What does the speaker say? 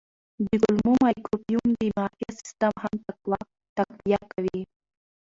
د کولمو مایکروبیوم د معافیت سیستم هم تقویه کوي.